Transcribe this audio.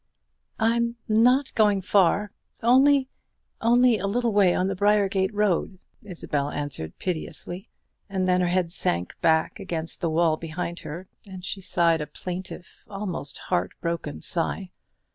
"I'm not going far; only only a little way on the Briargate Road," Isabel answered, piteously; and then her head sank back against the wall behind her, and she sighed a plaintive, almost heart broken sigh.